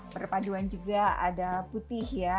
perpaduan juga ada putih ya